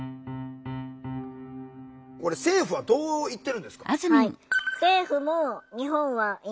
これ政府はどう言ってるんですか？